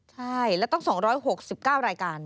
ใช่แล้วต้อง๒๖๙รายการ